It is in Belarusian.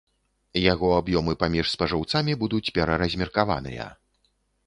Яго аб'ёмы паміж спажыўцамі будуць пераразмеркаваныя.